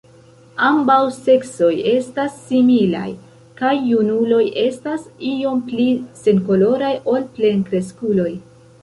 Ambaŭ seksoj estas similaj, kaj junuloj estas iom pli senkoloraj ol plenkreskuloj.